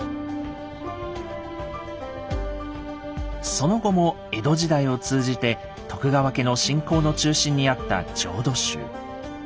その後も江戸時代を通じて徳川家の信仰の中心にあった浄土宗。